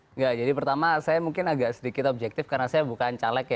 enggak jadi pertama saya mungkin agak sedikit objektif karena saya bukan caleg ya